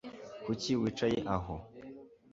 Kuki wicaye aho